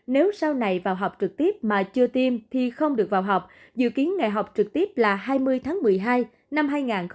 nếu sau này vào học trực tiếp mà chưa tiêm thì không được vào học dự kiến ngày học trực tiếp là hai mươi tháng một mươi hai năm hai nghìn hai mươi